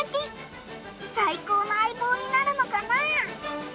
最高の相棒になるのかな？